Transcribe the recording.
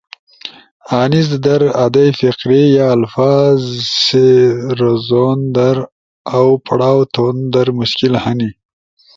انیز در ادئی فقرے یا الفاظ سی رزون در اؤ پڑاؤ تھون در مشکل ہنی